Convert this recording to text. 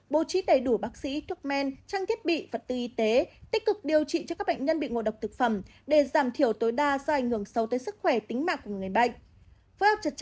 bố trí đầy đủ bác sĩ thuốc men trang thiết bị vật tư y tế tích cực điều trị cho các bệnh nhân bị ngộ độc thực phẩm để giảm thiểu tối đa do ảnh hưởng sâu tới sức khỏe tính mạng của người bệnh